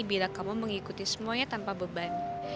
bila kamu mengikuti semuanya tanpa beban